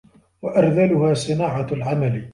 وَأَرْذَلُهَا صِنَاعَةُ الْعَمَلِ